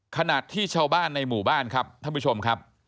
ขณะที่ชาวบ้านในหมู่บ้านครับท่านผู้ชมครับ